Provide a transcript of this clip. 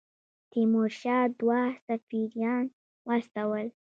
تیمورشاه دوه سفیران واستول.